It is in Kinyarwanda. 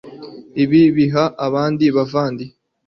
ibihe biha ibindi muvandi